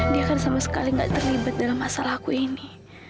dia kan sama sekali tidak terlibat dalam masalah aku ini